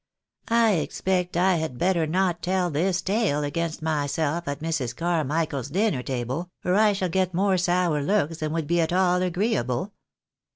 I expect I had better not tell this tale against myself at Mrs. Carmichael's dinner table, or I shall get more sour looks than would be at aU agreeable.